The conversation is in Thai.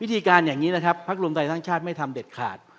วิธีการอย่างนี้นะครับพักรวมไทยสร้างชาติไม่ทำเด็ดขาด